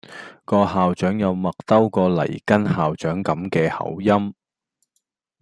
個校長有麥兜個黎根校長咁嘅口音⠀